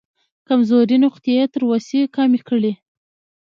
کمزورې نقطې یې تر وسې کمې کړې.